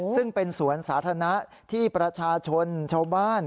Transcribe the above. ซึ่งเป็นสวนสาธารณะที่ประชาชนชาวบ้าน